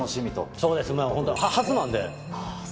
そうです、本当、初なんで。